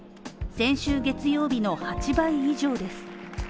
先週月曜日の８倍以上です。